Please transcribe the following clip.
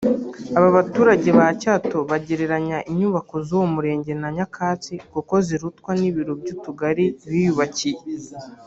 Aba baturage ba Cyato bagereranya inyubako z’uwo murenge na nyakatsi kuko zirutwa n’ibiro by’utugari biyubakiye